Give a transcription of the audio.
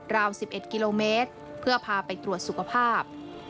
ราว๑๑กิโลเมตรเพื่อพาไปตรวจสุขภาพ